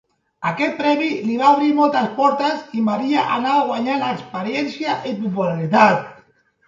Aquest premi li va obrir moltes portes i Maria anava guanyant experiència i popularitat.